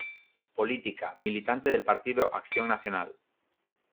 Política, militante del Partido Acción Nacional.